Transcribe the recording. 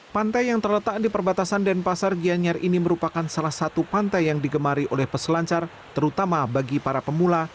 pantai yang terletak di perbatasan denpasar gianyar ini merupakan salah satu pantai yang digemari oleh peselancar terutama bagi para pemula